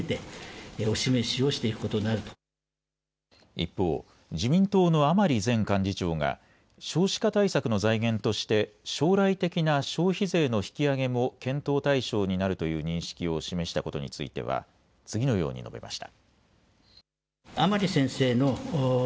一方、自民党の甘利前幹事長が少子化対策の財源として将来的な消費税の引き上げも検討対象になるという認識を示したことについては次のように述べました。